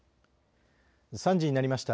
３時になりました。